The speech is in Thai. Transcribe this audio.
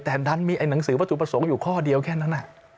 แต่ดันมีไอหนังสือวัตถุประสงค์อยู่ข้อเดียวแค่นั้น